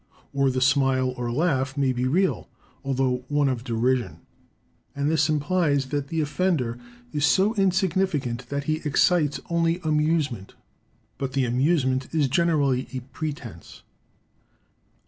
Or the smile or laugh may be real, although one of derision; and this implies that the offender is so insignificant that he excites only amusement; but the amusement is generally a pretence.